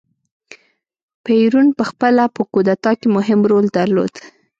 پېرون په خپله په کودتا کې مهم رول درلود.